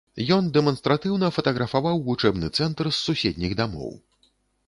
Ён дэманстратыўна фатаграфаваў вучэбны цэнтр з суседніх дамоў.